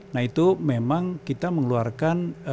nah itu memang kita mengeluarkan